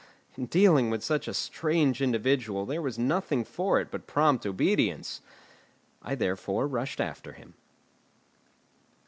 In dealing with such a strange individual there was nothing for it but prompt obedience. I therefore rushed after him.